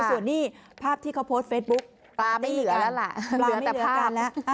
ส่วนนี้ภาพที่เขาโพสต์เฟซบุ๊กปลาไม่เหลือแล้วล่ะ